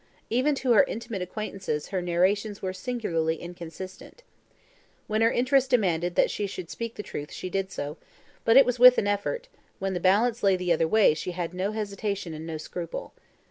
Even to her intimate acquaintances her narrations were singularly inconsistent. When her interest demanded that she should speak the truth she did so, but it was with an effort; when the balance lay the other way she had no hesitation and no scruple.